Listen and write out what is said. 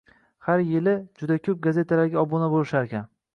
Har yili juda koʻp gazetalarga obuna boʻlisharkan.